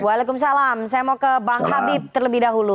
waalaikumsalam saya mau ke bang habib terlebih dahulu